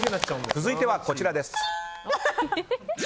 続いてはこちらです。